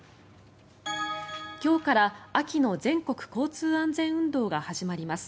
今日から秋の全国交通安全運動が始まります。